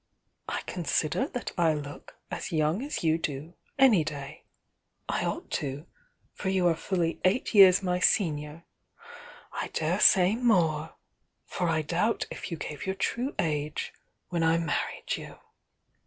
I consider that I look as young as you do any day,— I ought to, for you are fully eight years my senior 1 daresay more, for I doubt if tou gave your true age when I married you.